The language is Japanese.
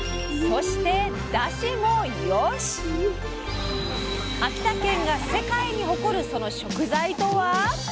そして秋田県が世界に誇るその食材とは？